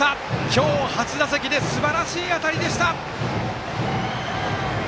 今日初打席ですばらしい当たりでした。